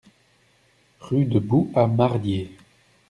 Rue de Bou à Mardié